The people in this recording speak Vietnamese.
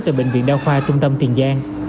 tại bệnh viện đao khoa trung tâm tiền giang